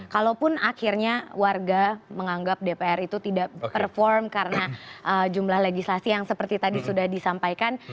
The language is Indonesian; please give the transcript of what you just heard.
kalaupun akhirnya warga menganggap dpr itu tidak perform karena jumlah legislasi yang seperti tadi sudah disampaikan